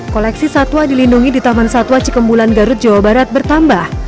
koleksi satwa dilindungi di taman satwa cikembulan garut jawa barat bertambah